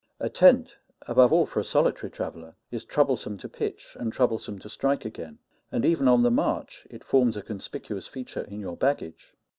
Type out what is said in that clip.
A tent, above all, for a solitary traveller, is troublesome to pitch and troublesome to strike again; and even on the march it forms a conspicuous feature in your baggage.